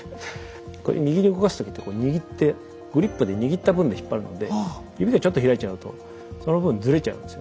こう右に動かす時って握ってグリップで握った分で引っ張るので指がちょっと開いちゃうとその分ずれちゃうんですよね。